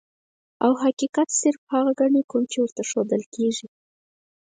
او حقيقت صرف هغه ګڼي کوم چي ورته ښودل کيږي.